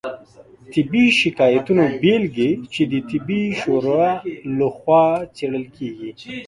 طبي شکایتونو بیلګې چې د طبي شورا لخوا څیړل کیږي